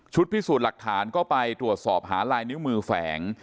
พิสูจน์หลักฐานก็ไปตรวจสอบหาลายนิ้วมือแฝง